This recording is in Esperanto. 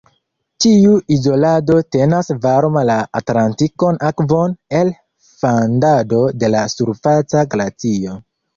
Tiu izolado tenas varma la Atlantikon Akvon el fandado de la surfaca glacio.